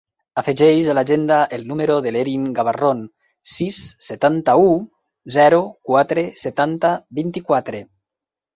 Afegeix a l'agenda el número de l'Erin Gabarron: sis, setanta-u, zero, quatre, setanta, vint-i-quatre.